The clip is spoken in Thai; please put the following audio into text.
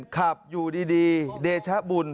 ขับอยู่ดีเดชะบุญ